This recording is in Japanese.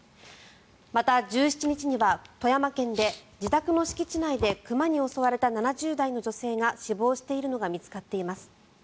また、１７日には富山県で自宅の敷地内で熊に襲われた７０代の女性が死亡しているのが見つかっています。